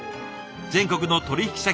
全国の取引先